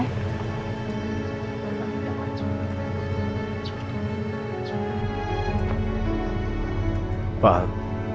kita mau ke tempat kolam